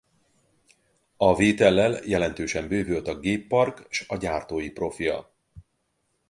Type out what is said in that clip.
A vétellel jelentősen bővült a géppark s a gyártói profil.